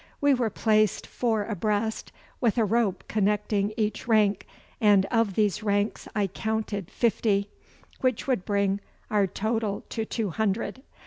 We were placed four abreast, with a rope connecting each rank, and of these ranks I counted fifty, which would bring our total to two hundred.